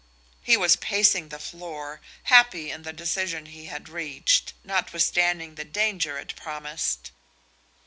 He was pacing the floor, happy in the decision he had reached, notwithstanding the danger it promised.